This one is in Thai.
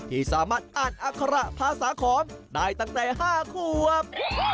ที่สามารถอ่านอัคระภาษาขอมได้ตั้งแต่๕ขวบ